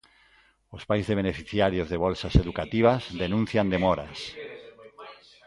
Os pais de beneficiarios de bolsas educativas denuncian demoras.